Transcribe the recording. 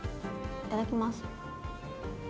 いただきます！